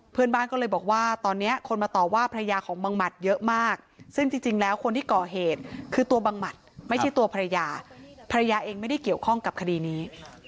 เพื่อนบ้านก็เลยบอกว่าตอนนี้คนมาต่อว่าภรรยาของบังหมัดเยอะมากซึ่งจริงแล้วคนที่ก่อเหตุคือตัวบังหมัดไม่ใช่ตัวภรรยาภรรยาเองไม่ได้เกี่ยวข้องกับคดีนี้